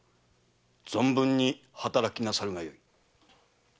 存分に働きなさるがよい。